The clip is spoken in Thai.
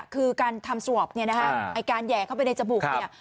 คือการทำสวบไอ้การแหย่เข้าไปในจบุก